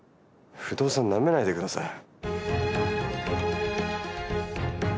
不動産なめないで下さい。